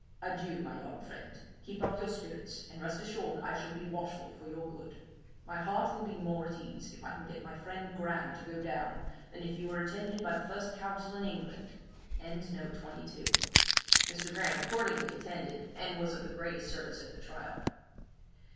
Adieu! my young friend; keep up your spirits, and rest assured I shall be watchful for your good. My heart will be more at ease, if I can get my friend Graham to go down, than if you were attended by the first counsel in England.' Mr. Graham accordingly attended, and was of the greatest service at the trial.